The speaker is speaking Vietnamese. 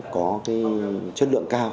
có chất lượng cao